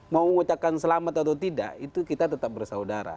mau mengucapkan selamat atau tidak itu kita tetap bersaudara